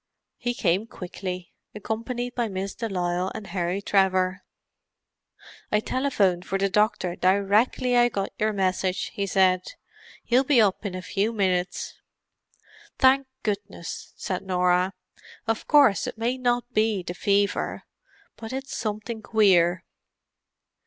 He came quickly, accompanied by Miss de Lisle and Harry Trevor. "I telephoned for the doctor directly I got your message," he said. "He'll be up in a few minutes." "Thank goodness!" said Norah. "Of course it may not be the fever. But it's something queer."